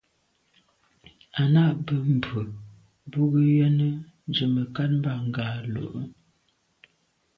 À’ nâ’ bə́ mbrə̀ bú gə ́yɑ́nə́ zə̀ mə̀kát mbâ ngɑ̀ lù’ə́.